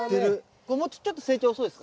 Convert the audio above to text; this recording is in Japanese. これちょっと成長遅いですか？